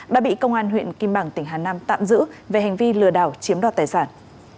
đã bị công an huyện kim bảng tỉnh hà nam tạm giữ về hành vi lừa đảo chiếm đoạt tài sản